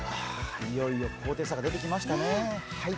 いよいよ高低差が出てきましたね。